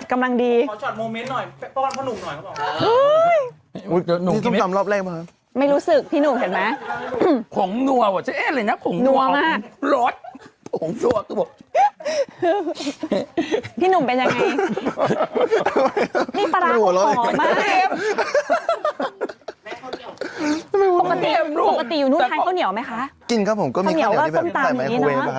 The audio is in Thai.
กินครับผมมีข้าวอย่างนี้แต่ไมโครเวบครับ